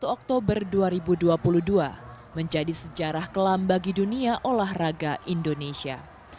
satu oktober dua ribu dua puluh dua menjadi sejarah kelam bagi dunia olahraga indonesia